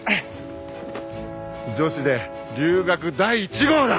女子で留学第一号だ！